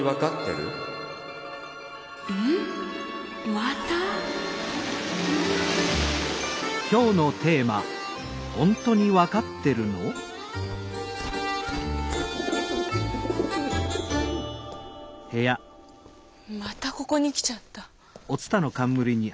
また⁉またここに来ちゃった。